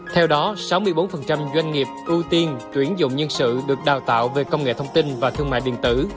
theo đó sáu mươi bốn doanh nghiệp ưu tiên tuyển dụng nhân sự được đào tạo về công nghệ thông tin và thương mại điện tử